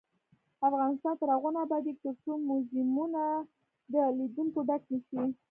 افغانستان تر هغو نه ابادیږي، ترڅو موزیمونه د لیدونکو ډک نشي.